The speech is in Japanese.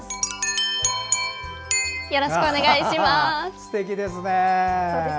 よろしくお願いします。